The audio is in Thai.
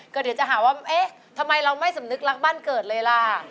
ก็เดี๋ยวจะหาว่าเอ๊ะทำไมเราไม่สำนึกรักบ้านเกิดเลยล่ะ